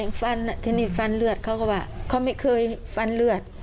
ฟันที่นี่ฟันเลือดเขาก็ว่าเขาไม่เคยฟันเลือด